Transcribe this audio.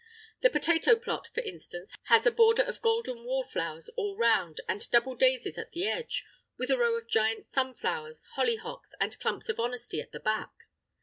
The potato plot, for instance, has a border of golden wallflowers all round and double daisies at the edge, with a row of giant sunflowers, hollyhocks, and clumps of honesty at the back.